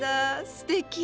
すてき。